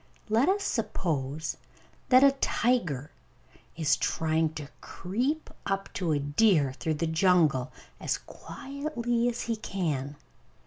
Let us suppose that a tiger is trying to creep up to a deer through the jungle, as quietly as he can.